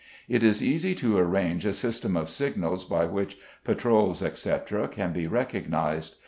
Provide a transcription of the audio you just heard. It is easy to arrange a system of signals by which patrols, etc., can be recognised.